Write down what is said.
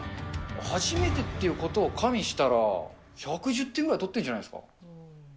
初めてっていうことを加味したら、１１０点ぐらい取ってるんじゃないですか。